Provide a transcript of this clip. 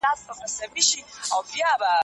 موټر چلونکی په خپل صبر سره د خلکو درناوی ګټي.